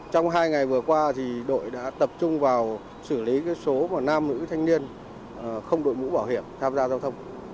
trong hai ngày vừa qua đội đã tập trung vào xử lý số nam nữ thanh niên không đội mũ bảo hiểm tham gia giao thông